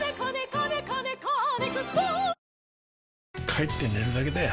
帰って寝るだけだよ